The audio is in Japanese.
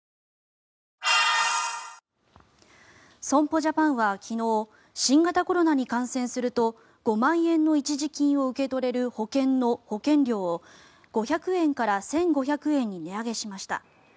損保ジャパンは昨日新型コロナに感染すると５万円の一時金を受け取れる保険の保険料を５００円から１５００円に値上げしました。